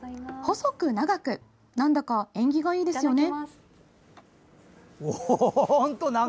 「細く長く」なんだか縁起がいいですよね。